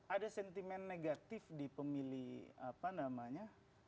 ada sentimen negatif di pemilih apa namanya